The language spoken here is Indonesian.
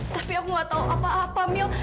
tapi aku nggak tahu apa apa mil